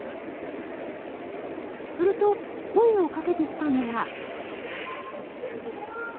すると、声をかけてきたのは。